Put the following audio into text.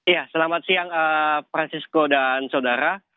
ya selamat siang francisco dan saudara